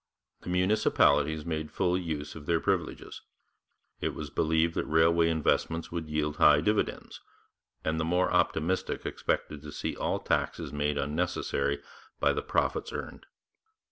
The municipalities made full use of their privileges. It was believed that railway investments would yield high dividends, and the more optimistic expected to see all taxes made unnecessary by the profits earned.